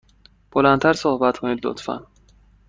بلند تر صحبت کن، لطفا.